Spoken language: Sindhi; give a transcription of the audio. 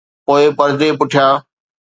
پوءِ پردي پٺيان.